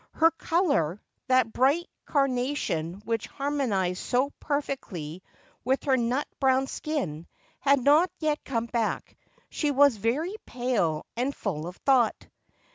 Her colour — that bright carnation which harmonized so perfectly with her nut brown skin — had not yet come bac.c. She was very pale and full of thought.